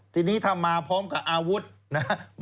ทีนี้ถ้ามาพร้อมกับอาวุธนะครับ